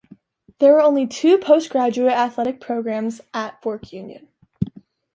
There are only two postgraduate athletic programs at Fork Union.